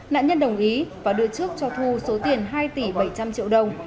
nạn nhân đồng ý và đưa trước cho thu số tiền hai tỷ bảy trăm linh triệu đồng